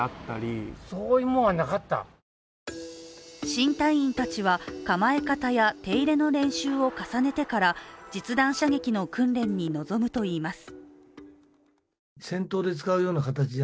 新隊員たちは、構え方や手入れの練習を重ねてから実弾射撃の訓練に臨むといいます。